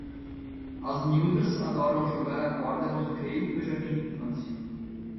As miúdas adoram jogar à corda no recreio do jardim de infância.